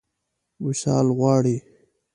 وصال غواړي.